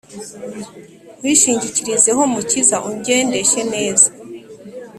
Nkwishingikirizeho mukiza ungendeshe neza